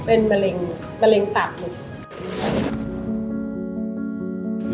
เป็นมะเร็งมะเร็งตัด